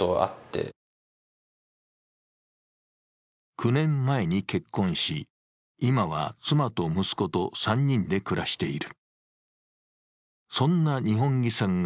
９年前に結婚し、今は妻と息子と３人で暮らしている。